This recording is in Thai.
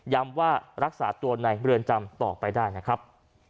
ว่ารักษาตัวในเรือนจำต่อไปได้นะครับ